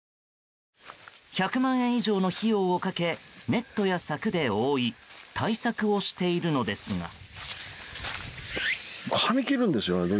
１００万円以上の費用をかけネットや柵で覆い対策をしているのですが。